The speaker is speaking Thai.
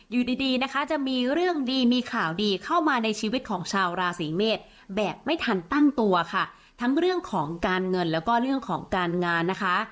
อยู่ดีดีนะคะจะมีเรื่องดีมีข่าวดีเข้ามาในชีวิตของชาวราศีเมษแบบไม่ทันตั้งตัวค่ะทั้งเรื่องของการเงินแล้วก็เรื่องของการงานนะคะ